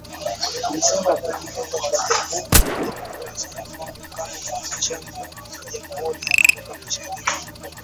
Alisema kujiunga kwa Jamuhuri ya Kidemokrasia ya Kongo kama mwanachama wa Jumuiya ya Afrika Mashariki